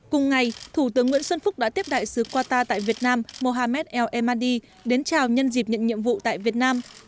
cùng ngày thủ tướng nguyễn xuân phúc đã tiếp đại sứ qatar tại việt nam mohamed el madi đến chào nhân dịp nhận nhiệm vụ tại việt nam